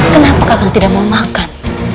kenapa kalian tidak mau makan